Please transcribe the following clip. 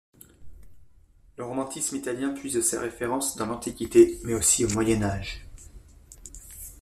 Le romantisme italien puise ses références dans l'Antiquité mais aussi au Moyen Âge.